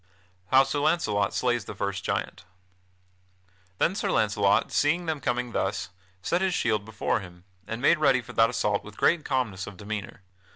[Sidenote: How Sir Launcelot slays the first giant] Then Sir Launcelot, seeing them coming thus, set his shield before him, and made ready for that assault with great calmness of demeanor.